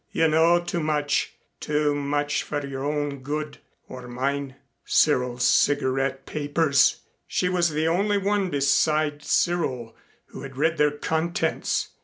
"You know too much too much for your own good or mine." Cyril's cigarette papers! She was the only one beside Cyril who had read their contents!